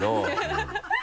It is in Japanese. ハハハ